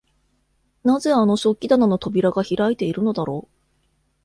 なぜあの食器棚の扉が開いているのだろう？